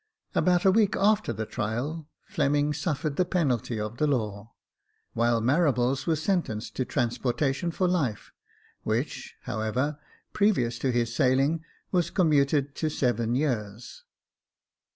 About a week after the trial, Fleming suffered the penalty of the law ; while Marables was sentenced to transportation for life, which, however, previous to his sailing, was com muted to seven years.